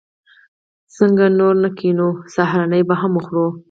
څنګه نور نه کېنو؟ سهارنۍ به هم وخورو.